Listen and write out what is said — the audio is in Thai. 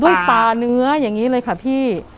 ตาเนื้ออย่างนี้เลยค่ะพี่